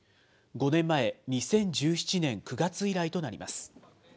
５年前、２０１７年９月以来となります。